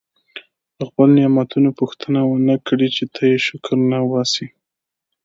د خپلو نعمتونو پوښتنه ونه کړي چې ته یې شکر نه وباسې.